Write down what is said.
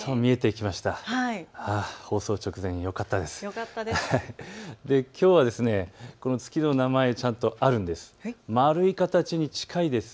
きょうはこの月の名前、ちゃんとあるんです。